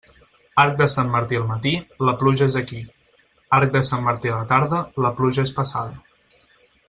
Arc de Sant Martí al matí, la pluja és aquí; arc de Sant Martí a la tarda, la pluja és passada.